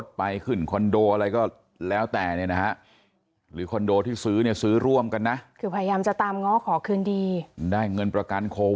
ได้คุยกับเพื่อนสนิทของโบ